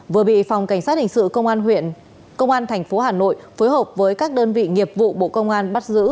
vừa bị phòng cảnh sát hình sự công an huyện công an tp hà nội phối hợp với các đơn vị nghiệp vụ bộ công an bắt giữ